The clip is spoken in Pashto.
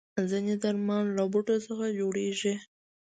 ځینې درمل له بوټو څخه جوړېږي.